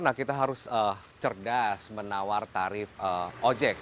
nah kita harus cerdas menawar tarif ojek